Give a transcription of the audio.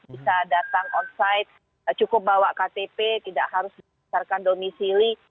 bisa datang onsite cukup bawa ktp tidak harus berdasarkan domisili